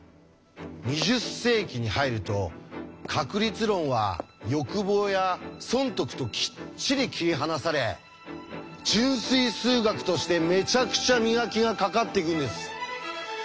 ２０世紀に入ると確率論は欲望や損得ときっちり切り離され純粋数学としてめちゃくちゃ磨きがかかっていくんです！